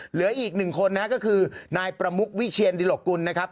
เหลืออีก๑คนก็คือนายประมุกวิเชียนดิหลกกุลนะครับ